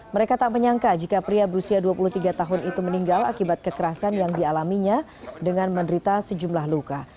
mereka tak menyangka jika pria berusia dua puluh tiga tahun itu meninggal akibat kekerasan yang dialaminya dengan menderita sejumlah luka